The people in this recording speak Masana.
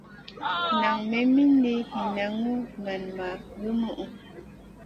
Nan me mindi hinanŋu nen ma lumu.